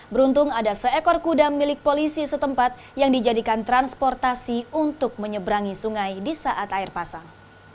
beruntung ada seekor kuda milik polisi setempat yang dijadikan transportasi untuk menyeberangi sungai di saat air pasang